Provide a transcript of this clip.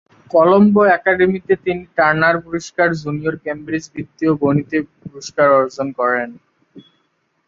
কলম্বো একাডেমিতে তিনি টার্নার পুরস্কার, জুনিয়র কেমব্রিজ বৃত্তি এবং গণিত পুরস্কার অর্জন করেন।